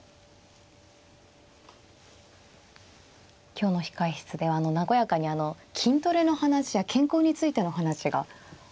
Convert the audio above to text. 今日の控え室では和やかに筋トレの話や健康についての話が出てましたね。